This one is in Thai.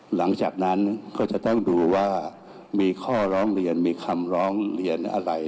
หลังจากนั้นก็จะต้องดูว่ามีข้อร้องเรียนมีคำร้องเรียนอะไร